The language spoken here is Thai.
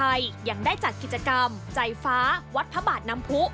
อาคารกรุงไทยยังได้จัดกิจกรรมใจฟ้าวัดพระบาทนำพุ